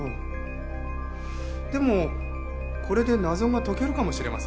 でもこれで謎が解けるかもしれません。